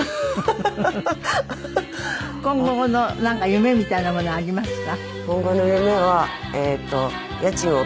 今後の夢みたいなものはありますか？